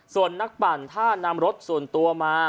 ส่วนนักปั่นถ้านำรถส่วนตัวมา